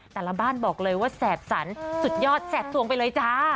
แต่ละบ้านบอกเลยว่าแสบสันสุดยอดแสบสวงไปเลยจ้า